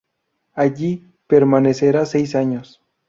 Allí permanecerá seis años.